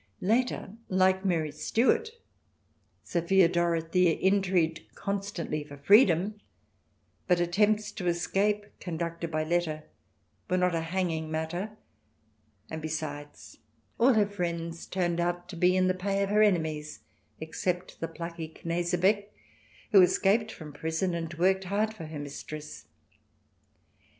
Later, like Mary Stuart, Sophia Dorothea intrigued constantly for freedom, but attempts to escape, conducted by letter, were not a hanging matter, and, besides, all her friends turned out to be in the pay of her enemies, except the plucky Knesebeck, who escaped from prison and worked hard for her mistress.